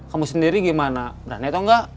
kamu sendiri gimana berani atau enggak